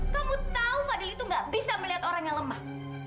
kamu tahu fadil itu gak bisa melihat orang yang lemah